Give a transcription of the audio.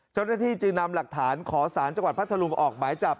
เจ้าหน้าที่จึงนำหลักฐานขอสารจังหวัดพัทธรุงออกหมายจับ